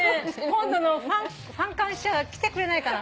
今度の『ファン感謝』来てくれないかな。